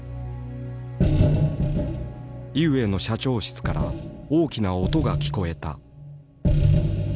井植の社長室から大きな音が聞こえた。